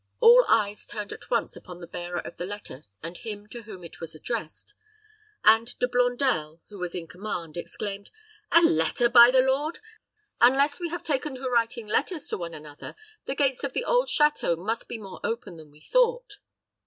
All eyes turned at once upon the bearer of the letter and him to whom it was addressed; and De Blondel, who was in command, exclaimed, "A letter, by the Lord! Unless we have taken to writing letters to one another, the gates of the old château must be more open than we thought."